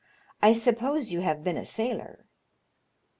I suppose you have been a sailor